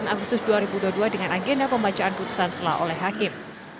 sembilan agustus dua ribu dua puluh dua dengan agenda pembacaan putusan selah oleh hakim